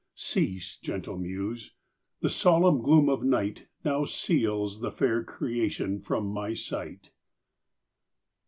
Cease, gentle muse! the solemn gloom of night Now seals the fair creation from my sight.